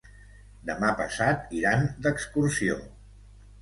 Demà passat iran d'excursió.